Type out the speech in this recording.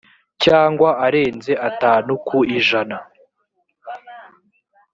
cyangwa arenze atanu ku ijana